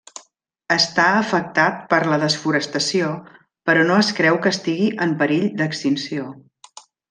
Està afectat per la desforestació però no es creu que estigui en perill d'extinció.